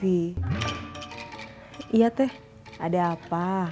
iya teh ada apa